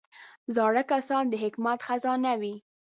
زاړه کسان د حکمت خزانه وي